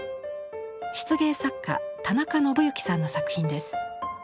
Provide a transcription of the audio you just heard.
漆芸作家・田中信行さんの作品です。